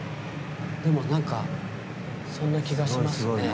でも、そんな気がしますね。